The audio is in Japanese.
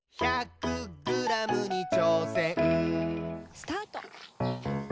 ・スタート！